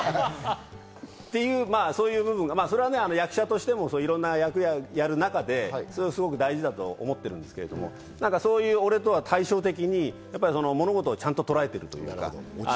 っていう部分が役者としてもいろんな役をやる中で、すごく大事だと思ってるんですけど、そういう俺とは対照的に物事をちゃんととらえている。